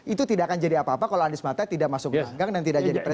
itu tidak akan jadi apa apa kalau anies mata tidak masuk ke ganggang dan tidak jadi presiden